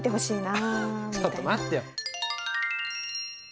ちょっと待ってよ！